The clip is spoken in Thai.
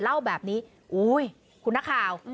เล่าแบบนี้อุ๊ยคุณนักข่าว